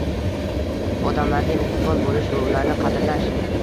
Odamlarga mehribon bo‘lish va ularni qadrlash.